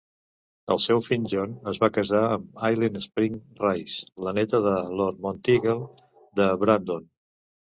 El seu fill John es va casar amb Aileen Spring Rice, la neta del Lord Monteagle de Brandon.